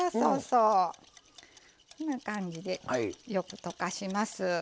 こんな感じで、よく溶かします。